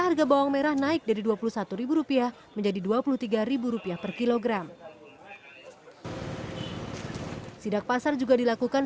harga bawang merah naik dari dua puluh satu rupiah menjadi dua puluh tiga rupiah per kilogram sidak pasar juga dilakukan